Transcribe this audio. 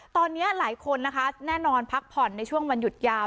ตอนนี้หลายคนนะคะแน่นอนพักผ่อนในช่วงวันหยุดยาว